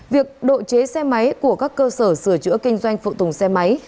việc độ chế xe máy của các cơ sở sửa chữa kinh doanh phụ tùng xe máy